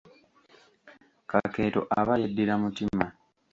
Kakeeto aba yeddira mutima.